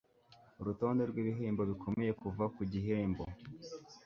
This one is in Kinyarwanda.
urutonde rwibihembo bikomeye kuva ku gihembo